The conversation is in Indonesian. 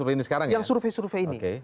yang survei survei ini